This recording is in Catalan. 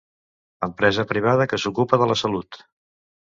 Empresa privada que s'ocupa de la salut.